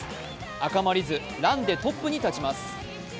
赤間凛音、ランでトップに立ちます。